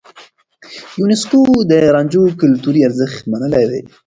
يونيسکو د رانجو کلتوري ارزښت منلی دی.